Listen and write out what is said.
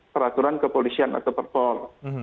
peraturan kepolisian atau perpol